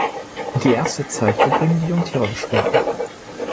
Die erste Zeit verbringen die Jungtiere im Schwarm.